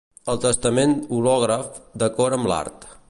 El testament hològraf, d'acord amb l'art.